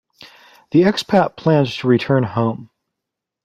The expat planned to return home.